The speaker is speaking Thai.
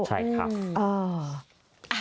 ใช่ครับ